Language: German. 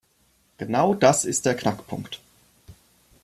Genau das ist der Knackpunkt.